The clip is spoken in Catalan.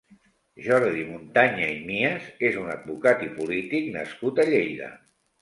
Jordi Montanya i Mías és un advocat i polític nascut a Lleida.